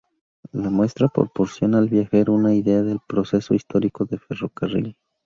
La muestra proporciona al viajero una idea del Proceso Histórico del Ferrocarril.